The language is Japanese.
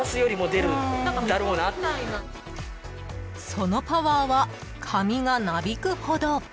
［そのパワーは髪がなびくほど］